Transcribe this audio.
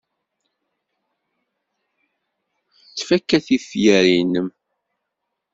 Ttfaka tifyar-nnem.